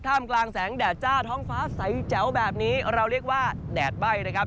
กลางแสงแดดจ้าท้องฟ้าใสแจ๋วแบบนี้เราเรียกว่าแดดใบ้นะครับ